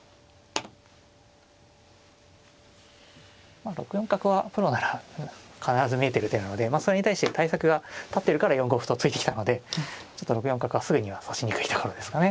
まあ６四角はプロなら必ず見えてる手なのでそれに対して対策が立ってるから４五歩と突いてきたのでちょっと６四角はすぐには指しにくいところですかね。